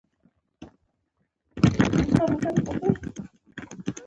بیا هغه په لرګي وهل کېږي.